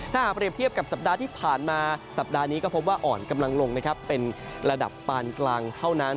ถ้าหากเรียบเทียบกับสัปดาห์ที่ผ่านมาสัปดาห์นี้ก็พบว่าอ่อนกำลังลงนะครับเป็นระดับปานกลางเท่านั้น